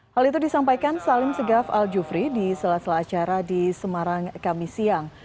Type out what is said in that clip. hal itu disampaikan salim segaf al jufri di salah salah acara di semarang kami siang